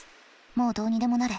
もうどうにでもなれ。